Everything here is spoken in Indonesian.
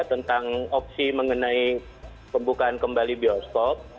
tentang opsi mengenai pembukaan kembali bioskop